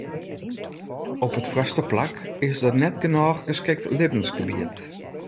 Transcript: Op it foarste plak is der net genôch geskikt libbensgebiet.